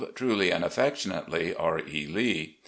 " Truly and affectionately, "R. E. Lee."